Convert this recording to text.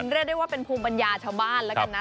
เรียกได้ว่าเป็นภูมิปัญญาชาวบ้านแล้วกันนะ